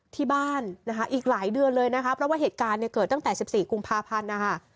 ที่บ้านนะคะอีกหลายเดือนเลยนะคะเพราะว่าเหตุการณ์เนี่ยเกิดตั้งแต่๑๔กุมภาพันธ์นะคะ